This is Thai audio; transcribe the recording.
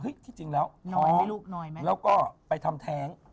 ที่จริงแล้วน้อยแล้วก็ไปทำแท้ง